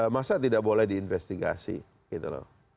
masa tidak boleh diinvestigasi gitu loh